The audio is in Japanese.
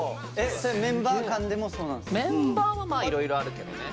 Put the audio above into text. メンバーはまあいろいろあるけどね。